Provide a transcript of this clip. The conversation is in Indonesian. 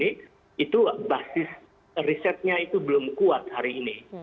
itu basis risetnya itu belum kuat hari ini